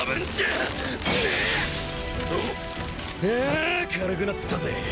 あ軽くなったぜ。